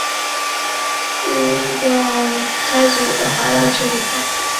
嵯峨御流是以嵯峨天皇为开祖的华道之一派。